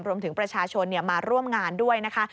รวมถึงประชาชนมาร่วมงานด้วยนะคะ